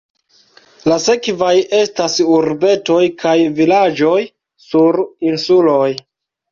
La sekvaj estas urbetoj kaj vilaĝoj sur insuloj.